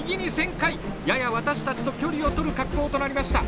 やや私たちと距離をとる格好となりました。